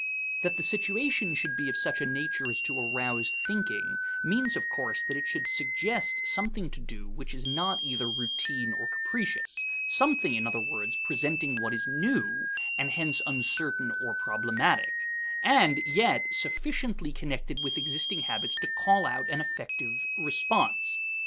That the situation should be of such a nature as to arouse thinking means of course that it should suggest something to do which is not either routine or capricious something, in other words, presenting what is new (and hence uncertain or problematic) and yet sufficiently connected with existing habits to call out an effective response.